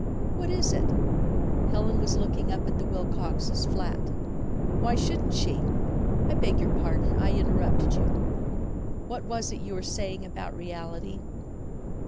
"What is it?" "Helen was looking up at the Wilcoxes' flat." "Why shouldn't she?" "I beg your pardon, I interrupted you. What was it you were saying about reality?"